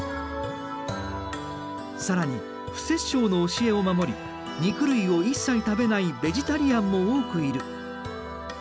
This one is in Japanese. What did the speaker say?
更に不殺生の教えを守り肉類を一切食べないベジタリアンも多くいる。